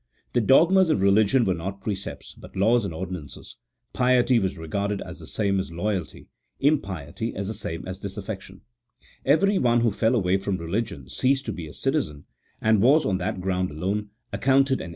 The dogmas of religion were not precepts, but laws and ordinances ; piety was re garded as the same as loyalty, impiety as the same as dis affection. Everyone who fell away from religion ceased to be a citizen, and was, on that ground alone, accounted an 220 A THEOLOGICO POLITICAL TREATISE. [CHAP.